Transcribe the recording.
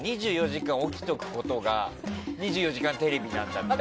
２４時間起きておくことが「２４時間テレビ」なんだって。